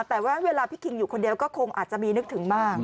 แต่ว่าเวลาพี่คิงอยู่คนเดียวก็คงอาจจะมีนึกถึงมาก